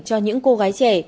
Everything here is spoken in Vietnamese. cho những cô gái trẻ